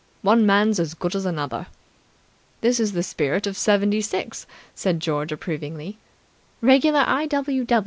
One man's as good as another. ..." "This is the spirit of '76!" said George approvingly. "Regular I.